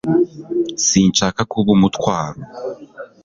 Sinshaka kuba umutwaro